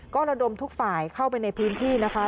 ก็ระดมทุกฝ่ายเข้าไปในพื้นที่นะคะ